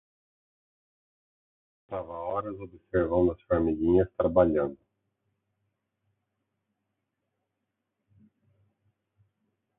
Eu passava horas observando as formiguinhas trabalhando.